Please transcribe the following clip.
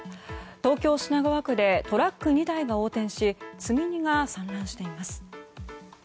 東京・品川区でトラック２台が横転し積み荷が散乱しています。